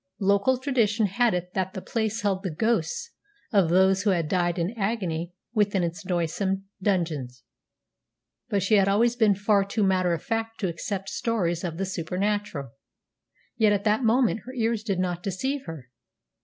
Local tradition had it that the place held the ghosts of those who had died in agony within its noisome dungeons; but she had always been far too matter of fact to accept stories of the supernatural. Yet at that moment her ears did not deceive her.